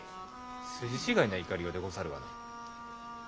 筋違いな怒りようでござるがな。